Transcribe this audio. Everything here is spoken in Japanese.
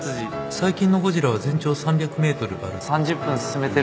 最近のゴジラは全長 ３００ｍ ある３０分進めてるんだ。